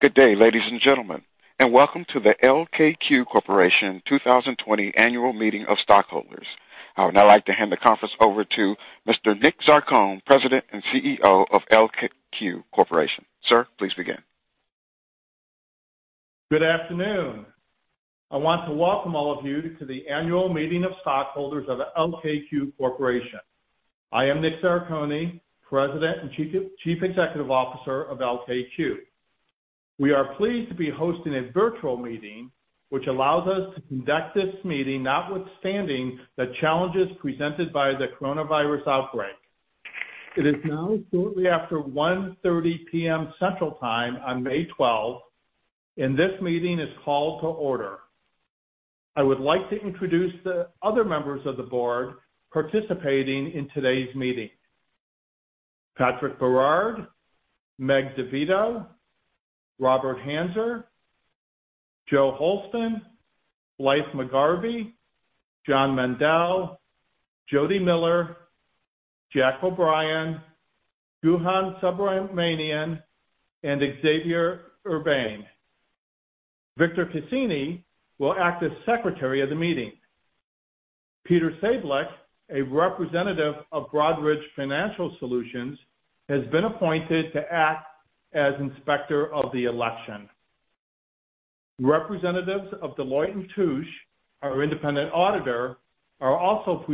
Good day, ladies and gentlemen, and welcome to the LKQ Corporation 2020 annual meeting of stockholders. I would now like to hand the conference over to Mr. Nick Zarcone, President and CEO of LKQ Corporation. Sir, please begin. Good afternoon. I want to welcome all of you to the annual meeting of stockholders of LKQ Corporation. I am Nick Zarcone, President and Chief Executive Officer of LKQ. We are pleased to be hosting a virtual meeting, which allows us to conduct this meeting notwithstanding the challenges presented by the coronavirus outbreak. It is now shortly after 1:30 P.M. Central Time on May 12th, and this meeting is called to order. I would like to introduce the other members of the board participating in today's meeting. Patrick Berard, Meg Divitto, Robert Hanser, Joe Holsten, Blythe McGarvie, John Mendel, Jody Miller, John O'Brien, Guhan Subramanian, and Xavier Urbain. Victor Casini will act as Secretary of the meeting. Peter Sablich, a representative of Broadridge Financial Solutions, has been appointed to act as Inspector of the election. Representatives of Deloitte & Touche, our independent auditor, are also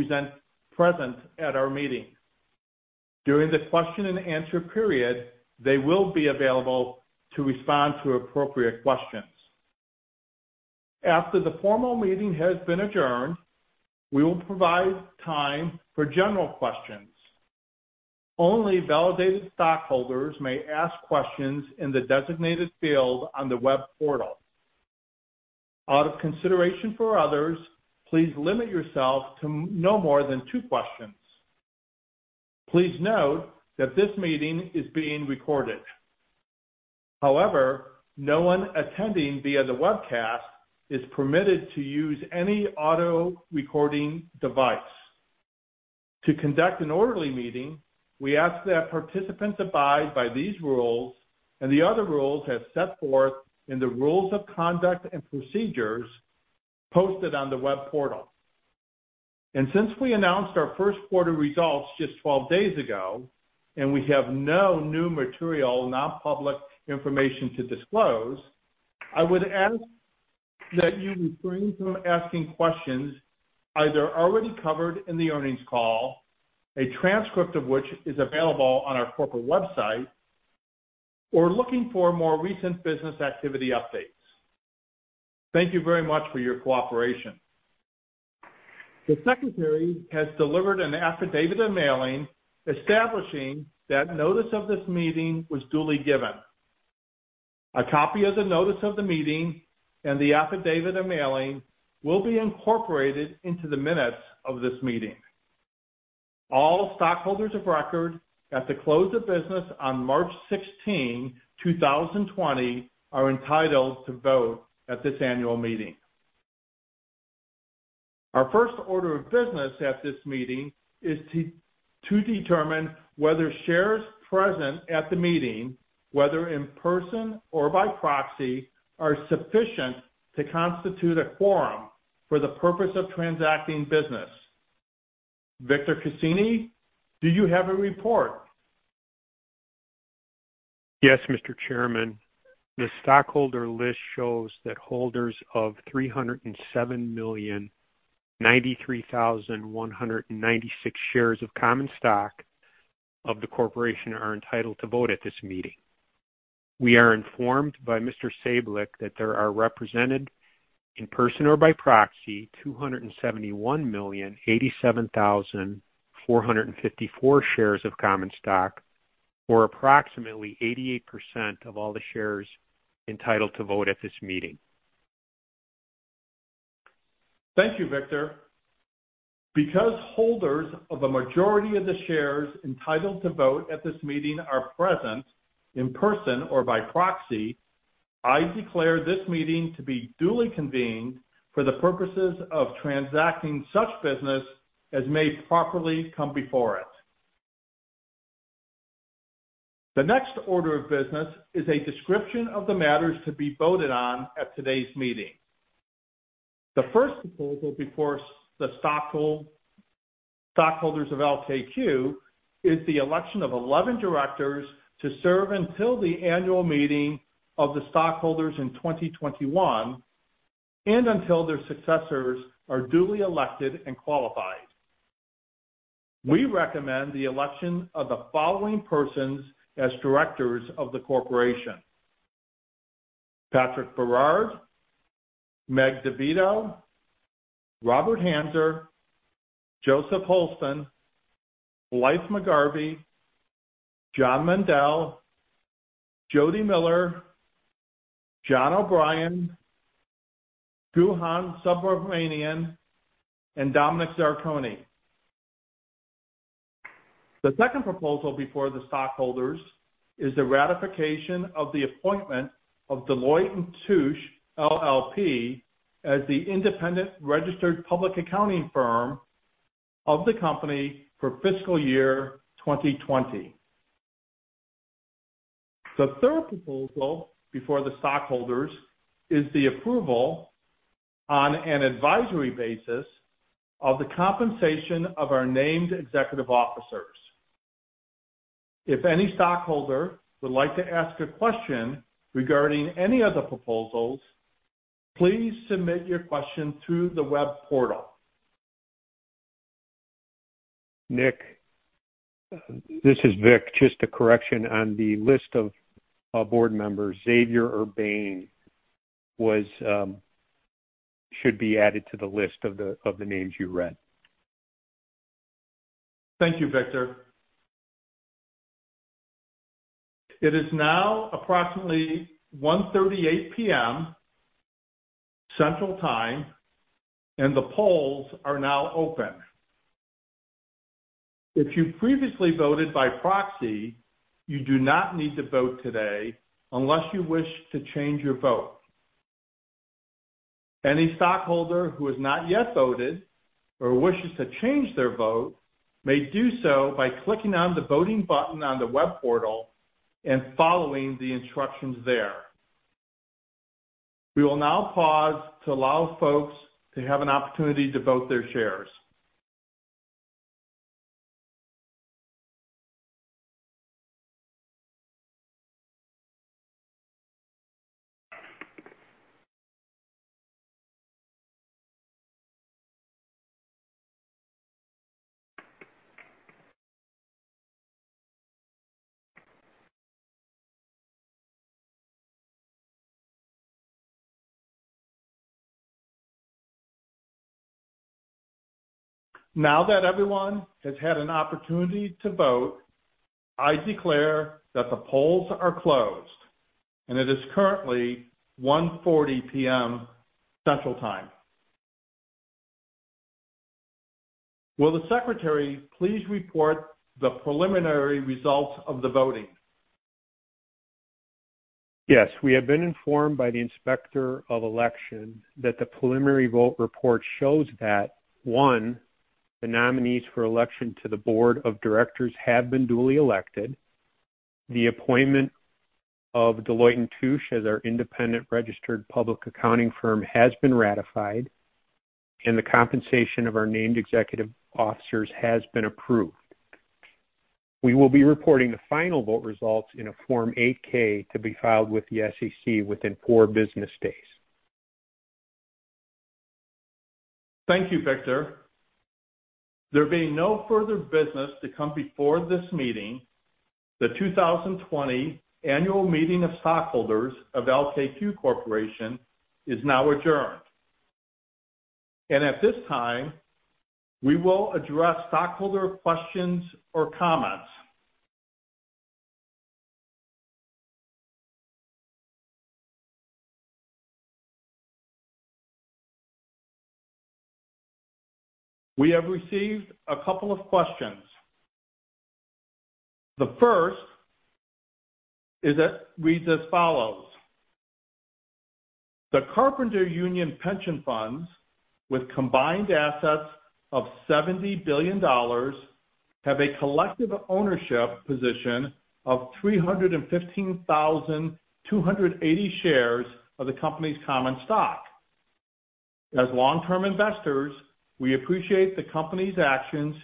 present at our meeting. During the question and answer period, they will be available to respond to appropriate questions. After the formal meeting has been adjourned, we will provide time for general questions. Only validated stockholders may ask questions in the designated field on the web portal. Out of consideration for others, please limit yourself to no more than two questions. Please note that this meeting is being recorded. However, no one attending via the webcast is permitted to use any audio recording device. To conduct an orderly meeting, we ask that participants abide by these rules and the other rules as set forth in the rules of conduct and procedures posted on the web portal. Since we announced our first quarter results just 12 days ago, and we have no new material non-public information to disclose, I would ask that you refrain from asking questions either already covered in the earnings call, a transcript of which is available on our corporate website, or looking for more recent business activity updates. Thank you very much for your cooperation. The Secretary has delivered an affidavit of mailing establishing that notice of this meeting was duly given. A copy of the notice of the meeting and the affidavit of mailing will be incorporated into the minutes of this meeting. All stockholders of record at the close of business on March 16, 2020, are entitled to vote at this annual meeting. Our first order of business at this meeting is to determine whether shares present at the meeting, whether in person or by proxy, are sufficient to constitute a quorum for the purpose of transacting business. Victor Casini, do you have a report? Yes, Mr. Chairman. The stockholder list shows that holders of 307,093,196 shares of common stock of the corporation are entitled to vote at this meeting. We are informed by Mr. Sablich that there are represented, in person or by proxy, 271,087,454 shares of common stock, or approximately 88% of all the shares entitled to vote at this meeting. Thank you, Victor. Because holders of a majority of the shares entitled to vote at this meeting are present in person or by proxy, I declare this meeting to be duly convened for the purposes of transacting such business as may properly come before it. The next order of business is a description of the matters to be voted on at today's meeting. The first proposal before the stockholders of LKQ is the election of 11 directors to serve until the annual meeting of the stockholders in 2021, and until their successors are duly elected and qualified. We recommend the election of the following persons as directors of the corporation: Patrick Berard, Meg Divitto, Robert Hanser, Joseph Holsten, Blythe McGarvie, John Mendel, Jody Miller, John O'Brien, Guhan Subramanian, and Dominick Zarcone. The second proposal before the stockholders is the ratification of the appointment of Deloitte & Touche LLP as the independent registered public accounting firm of the company for fiscal year 2020. The third proposal before the stockholders is the approval on an advisory basis of the compensation of our named executive officers. If any stockholder would like to ask a question regarding any of the proposals, please submit your question through the web portal. Nick, this is Vic. Just a correction on the list of board members. Xavier Urbain should be added to the list of the names you read. Thank you, Victor. It is now approximately 1:38 P.M. Central Time, and the polls are now open. If you previously voted by proxy, you do not need to vote today unless you wish to change your vote. Any stockholder who has not yet voted or wishes to change their vote may do so by clicking on the voting button on the web portal and following the instructions there. We will now pause to allow folks to have an opportunity to vote their shares. Now that everyone has had an opportunity to vote, I declare that the polls are closed, and it is currently 1:40 P.M. Central Time. Will the secretary please report the preliminary results of the voting? Yes. We have been informed by the Inspector of Election that the preliminary vote report shows that, one, the nominees for election to the Board of Directors have been duly elected, the appointment of Deloitte & Touche as our independent registered public accounting firm has been ratified, and the compensation of our named executive officers has been approved. We will be reporting the final vote results in a Form 8-K to be filed with the SEC within four business days. Thank you, Victor. There being no further business to come before this meeting, the 2020 annual meeting of stockholders of LKQ Corporation is now adjourned. At this time, we will address stockholder questions or comments. We have received a couple of questions. The first reads as follows: The Carpenters Union pension funds, with combined assets of $70 billion, have a collective ownership position of 315,280 shares of the company's common stock. As long-term investors, we appreciate the company's actions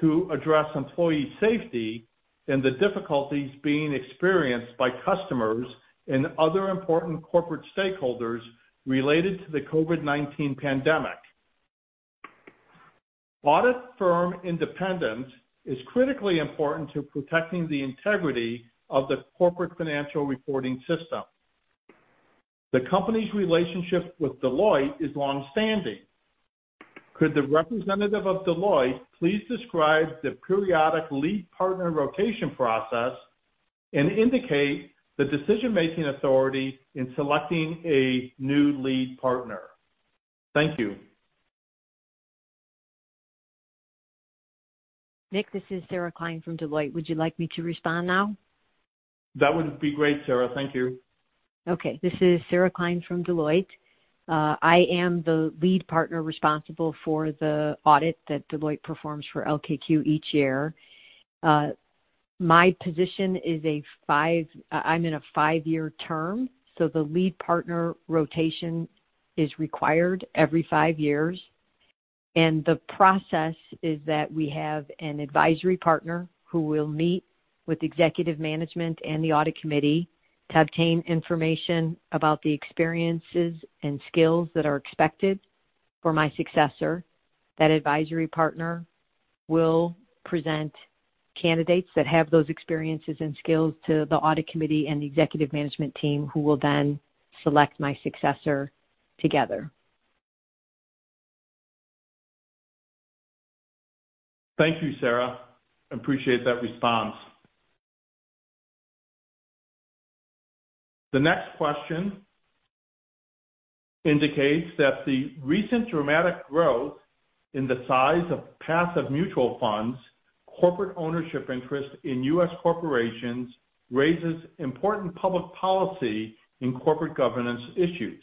to address employee safety and the difficulties being experienced by customers and other important corporate stakeholders related to the COVID-19 pandemic. Audit firm independence is critically important to protecting the integrity of the corporate financial reporting system. The company's relationship with Deloitte is longstanding. Could the representative of Deloitte please describe the periodic lead partner rotation process and indicate the decision-making authority in selecting a new lead partner? Thank you. Nick, this is Sarah Klein from Deloitte. Would you like me to respond now? That would be great, Sarah. Thank you. Okay. This is Sarah Klein from Deloitte. I am the Lead Partner responsible for the audit that Deloitte performs for LKQ each year. I'm in a five-year term. The lead partner rotation is required every five years. The process is that we have an advisory partner who will meet with executive management and the audit committee to obtain information about the experiences and skills that are expected for my successor. That advisory partner will present candidates that have those experiences and skills to the audit committee and the executive management team, who will then select my successor together. Thank you, Sarah. Appreciate that response. The next question indicates that the recent dramatic growth in the size of passive mutual funds, corporate ownership interest in U.S. corporations raises important public policy and corporate governance issues.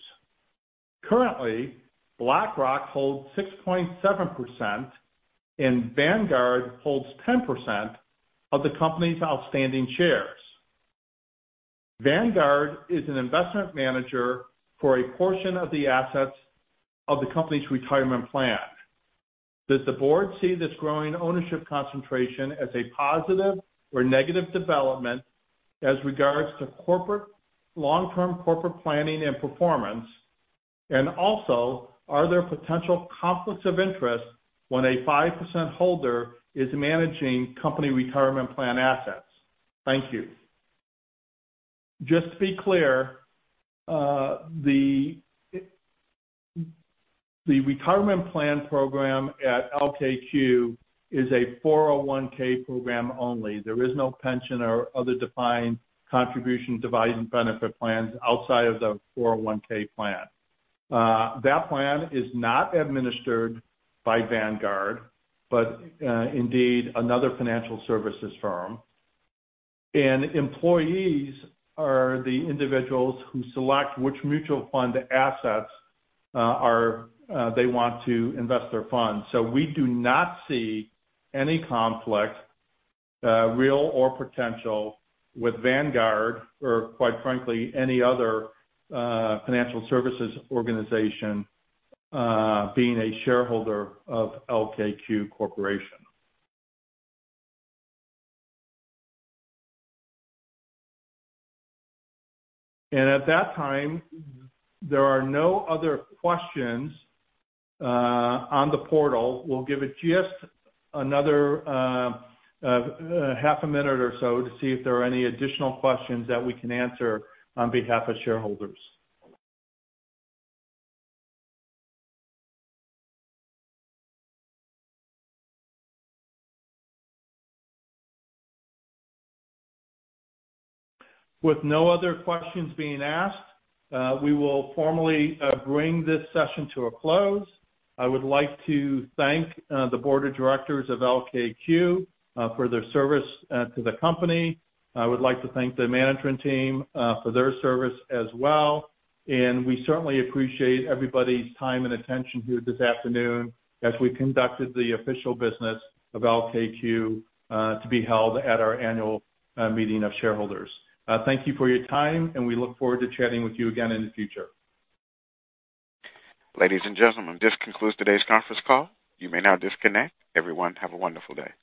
Currently, BlackRock holds 6.7% and Vanguard holds 10% of the company's outstanding shares. Vanguard is an investment manager for a portion of the assets of the company's retirement plan. Does the board see this growing ownership concentration as a positive or negative development as regards to long-term corporate planning and performance? Also, are there potential conflicts of interest when a 5% holder is managing company retirement plan assets? Thank you. Just to be clear, the retirement plan program at LKQ is a 401(k) program only. There is no pension or other defined contribution, defined benefit plans outside of the 401(k) plan. That plan is not administered by Vanguard, but indeed another financial services firm. Employees are the individuals who select which mutual fund assets they want to invest their funds. We do not see any conflict, real or potential, with Vanguard or quite frankly, any other financial services organization being a shareholder of LKQ Corporation. At that time, there are no other questions on the portal. We'll give it just another half a minute or so to see if there are any additional questions that we can answer on behalf of shareholders. With no other questions being asked, we will formally bring this session to a close. I would like to thank the Board of Directors of LKQ for their service to the company. I would like to thank the management team for their service as well. We certainly appreciate everybody's time and attention here this afternoon as we conducted the official business of LKQ to be held at our annual meeting of shareholders. Thank you for your time, and we look forward to chatting with you again in the future. Ladies and gentlemen, this concludes today's conference call. You may now disconnect. Everyone, have a wonderful day.